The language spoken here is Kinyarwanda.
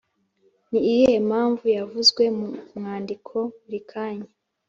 Ni iyihe mpamvu yavuzwe mu mwandiko buri kanya